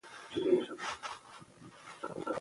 دوی پنا سول.